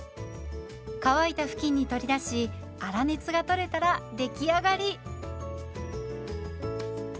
乾いた布巾に取り出し粗熱が取れたら出来上がり。